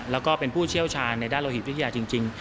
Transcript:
แล้วก็เป็นผู้เชี่ยวชาญในด้านโลหิตวิทยาจริง